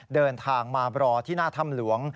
เดินทางมารอที่หน้าถ้ำหลวง